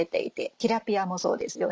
ティラピアもそうですよね。